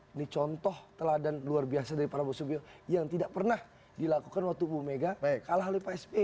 ini contoh teladan luar biasa dari prabowo subianto yang tidak pernah dilakukan waktu bu mega kalah oleh pak sp